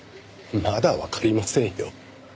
まだわかりませんよ。